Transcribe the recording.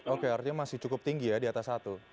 oke artinya masih cukup tinggi ya di atas satu